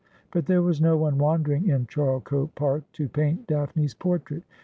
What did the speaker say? But there was no one wandering in Charlecote Park to paint Daphne's portrait.